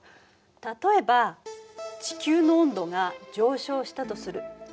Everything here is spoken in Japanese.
例えば地球の温度が上昇したとする。